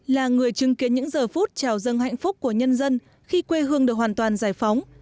là người chứng kiến những giờ phút trào dâng hạnh phúc của nhân dân khi quê hương được hoàn toàn giải phóng